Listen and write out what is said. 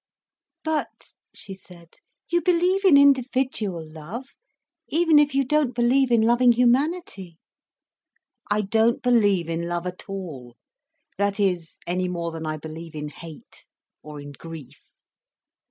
"But," she said, "you believe in individual love, even if you don't believe in loving humanity—?" "I don't believe in love at all—that is, any more than I believe in hate, or in grief.